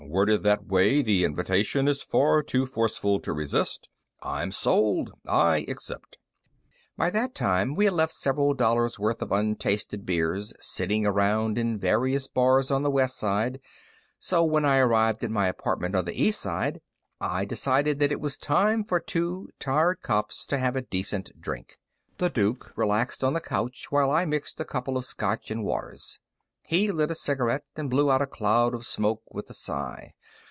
"Worded that way, the invitation is far too forceful to resist. I'm sold. I accept." By that time, we had left several dollars worth of untasted beers sitting around in various bars on the West Side, so when I arrived at my apartment on the East Side, I decided that it was time for two tired cops to have a decent drink. The Duke relaxed on the couch while I mixed a couple of Scotch and waters. He lit a cigarette and blew out a cloud of smoke with a sigh.